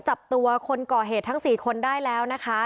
จับตัวคนก่อเหตุทั้ง๔คนได้แล้วนะคะ